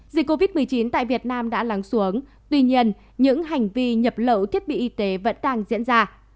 dịch covid một mươi chín tại việt nam đã lắng xuống tuy nhiên những hành vi nhập lậu thiết bị y tế vẫn đang diễn ra